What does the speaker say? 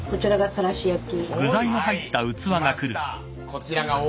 たらし焼き。